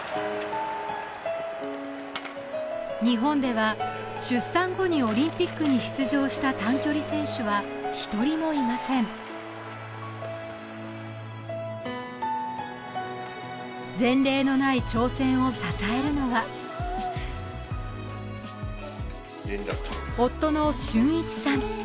日本では出産後にオリンピックに出場した短距離選手は一人もいません前例のない挑戦を支えるのは夫の峻一さん